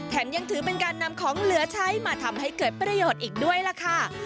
ยังถือเป็นการนำของเหลือใช้มาทำให้เกิดประโยชน์อีกด้วยล่ะค่ะ